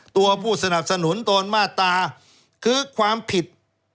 ตัวผู้สนับสนุนตอนมาตราคือความผิด